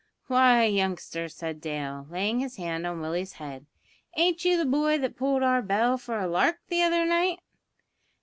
"Why, youngster," said Dale, laying his hand on Willie's head, "ain't you the boy that pulled our bell for a lark the other night?"